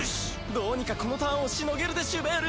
どうにかこのターンをしのげるでしゅべーる。